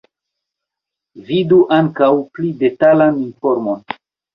Vidu ankaŭ pli detalan informon.